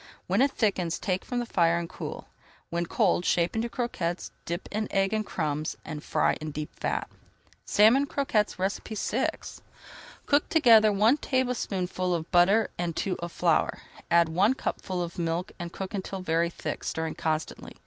When it thickens, take from the fire, and cool. When cold, shape into croquettes, dip in egg and crumbs, and fry in deep fat. SALMON CROQUETTES VI Cook together one tablespoonful of butter and two of flour. Add one cupful of milk and cook until very thick, stirring constantly.